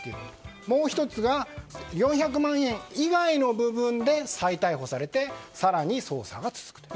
もう１つが４００万円以外の部分で再逮捕されて更に捜査が続くと。